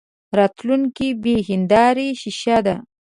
راتلونکې بې هیندارې شیشه ده.